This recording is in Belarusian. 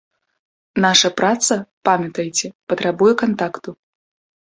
Наша праца, памятайце, патрабуе кантакту.